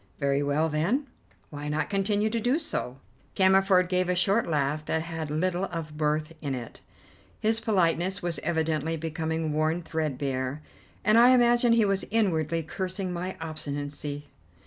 Very well, then, why not continue to do so?" Cammerford gave a short laugh that had little of mirth in it: his politeness was evidently becoming worn threadbare, and I imagine he was inwardly cursing my obstinacy.